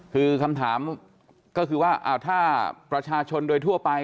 คือคำถามก็คือว่าถ้าประชาชนโดยทั่วไป